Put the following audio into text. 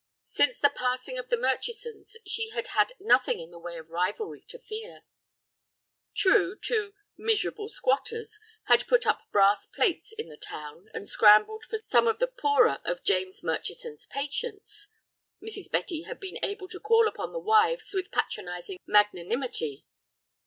Since the passing of the Murchisons she had had nothing in the way of rivalry to fear. True, two "miserable squatters" had put up brass plates in the town, and scrambled for some of the poorer of James Murchison's patients. Mrs. Betty had been able to call upon the wives with patronizing magnanimity.